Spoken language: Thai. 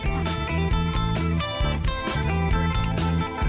แล้วมาเจอกันพรุ่งนี้ค่ะ